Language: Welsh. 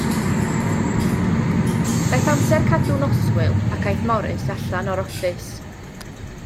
Daeth amser cadw noswyl, ac aeth Morris allan o'r offis.